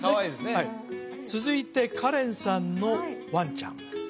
はい続いてカレンさんのワンちゃん